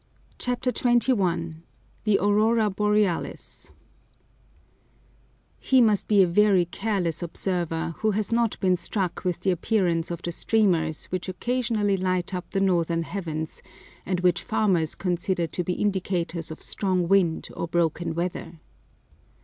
CHAPTER XXI THE AURORA BOREALIS He must be a very careless observer who has not been struck with the appearance of the streamers which occasionally light up the northern heavens, and which farmers consider to be indicators of strong wind or broken weather.